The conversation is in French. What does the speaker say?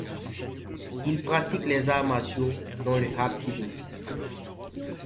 Il pratique les arts martiaux, dont le Hapkido.